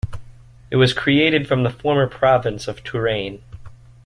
It was created from the former province of Touraine.